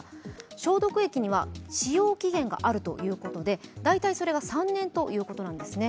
消毒液には使用期限があるということで、大体それが３年ということなんですね。